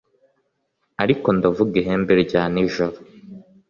ariko ndavuga ihembe rya nijoro